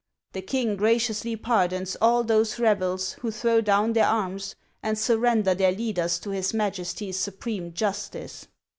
The king gra ciously pardons all those rebels who throw down their arms and surrender their leaders to his Majesty's supreme justice